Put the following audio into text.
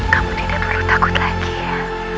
kamu tidak perlu takut lagi ya